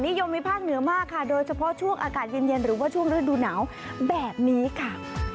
นิยมในภาคเหนือมากค่ะโดยเฉพาะช่วงอากาศเย็นหรือว่าช่วงฤดูหนาวแบบนี้ค่ะ